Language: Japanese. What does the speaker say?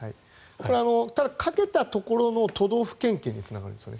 これはかけたところの都道府県警につながるんですよね。